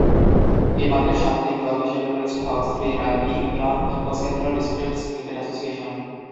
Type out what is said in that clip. এ মাঠের স্বাগতিক দল হিসেবে রয়েছে হক’স বে রাগবি ইউনিয়ন ও সেন্ট্রাল ডিস্ট্রিক্টস ক্রিকেট অ্যাসোসিয়েশন।